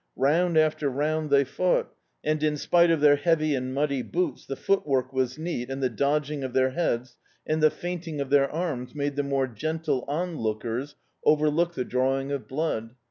Round after round they fought, and in spite of their heavy and muddy boots the footwork was neat, and the dodging of their heads, and the feinting of their arms made the more gentle onlookers [■Hi D,i.,.db, Google The Canal overlook the drawing of blood.